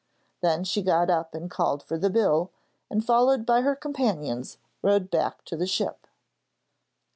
Then she got up and called for the bill, and followed by her companions, rowed back to the ship.